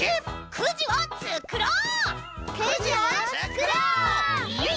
くじつくろう！